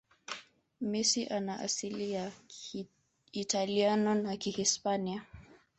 Messi ana asili ya kiitaliano na kihispania